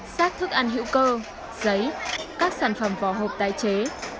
sát thức ăn hữu cơ giấy các sản phẩm vỏ hộp tái chế